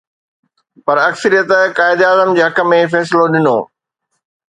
پر اڪثريت قائداعظم جي حق ۾ فيصلو ڏنو.